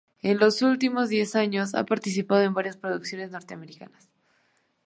En los últimos diez años ha participado en varias producciones norteamericanas.